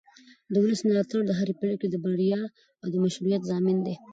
د ولس ملاتړ د هرې پرېکړې د بریا او مشروعیت ضامن دی